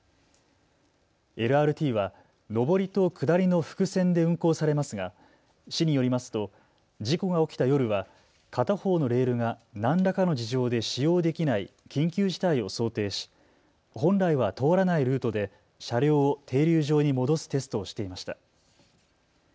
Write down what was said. ＬＲＴは上りと下りの複線で運行されますが、市によりますと事故が起きた夜は片方のレールが何らかの事情で使用できない緊急事態を想定し本来は通らないルートで車両を停留場に戻すテストしていました。